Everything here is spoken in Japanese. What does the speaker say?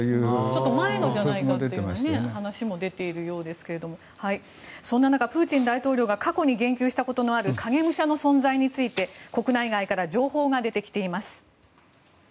ちょっと前のじゃないかという話も出ているようですがそんな中、プーチン大統領が過去に言及したことのある影武者の存在について国内外から情報が出てきています。